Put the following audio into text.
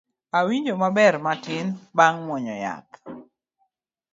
Awinjo maber matin bang' muonyo yath